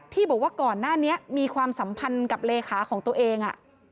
ที่บอกว่าก่อนหน้านี้มีความสัมพันธ์กับเลขาของตัวเอง